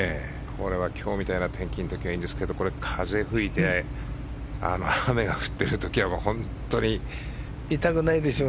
今日みたいな天気の時はいいんですけど、風が吹いて雨が降ってる時は、本当にいたくないしょうね。